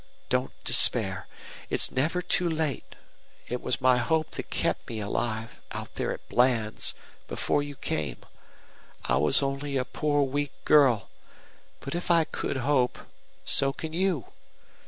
Don't despair. It's never too late. It was my hope that kept me alive out there at Bland's before you came. I was only a poor weak girl. But if I could hope so can you.